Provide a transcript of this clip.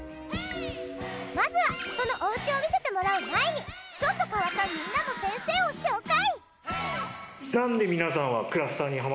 まずはそのお家を見せてもらう前にちょっと変わったみんなの先生を紹介。